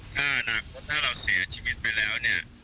ถ้าอนาคตถ้าเราเสียชีวิตไปแล้วเนี่ย